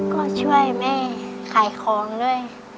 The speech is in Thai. ก็ช่วยแม่ขายของด้วย